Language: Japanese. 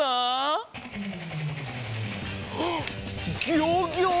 ギョギョ！